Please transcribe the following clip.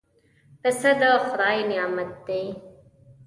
پسه د خدای نعمت دی.